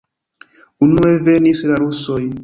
Unue venis la rusoj.